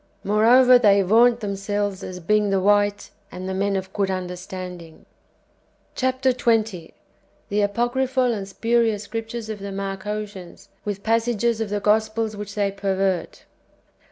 ^ Moreover, they vaunt themselves as being the white and the men of good under standing. CllAP. XX. — The apocryplial and spurious Scriptures of the Marcosians, ivith p)assages of the Gospels ivhiclt they pervert.